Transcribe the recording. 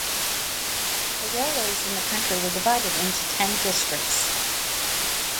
The railways in the country were divided into ten districts.